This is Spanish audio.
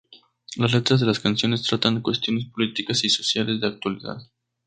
Las letras de las canciones tratan cuestiones políticas y sociales de actualidad.